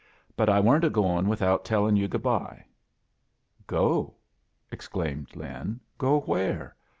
"But I weren't a going without tell ing yoo good bye." "Go?" exclaimed Lin. "Go where?